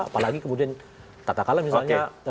apalagi kemudian tata kala misalnya